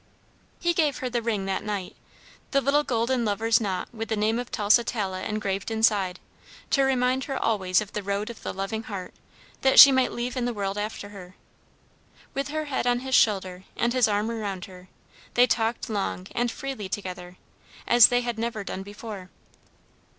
He gave her the ring that night, the little golden lover's knot with the name of Tusitala engraved inside, to remind her always of the Road of the Loving Heart, that she might leave in the world after her. With her head on his shoulder and his arm around her, they talked long, and freely together, as they had never done before.